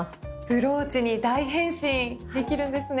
ブローチに大変身できるんですね。